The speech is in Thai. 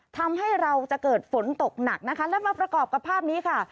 ทำให้เราจะเกิดฝนตกหนักนะคะแล้วมาประกอบกับภาพนี้ค่ะ